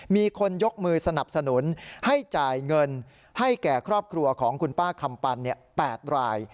มีคนยกมือสนับสนุนให้จ่ายเงินให้แก่ครอบครัวของคุณป้าคำปัน๘ราย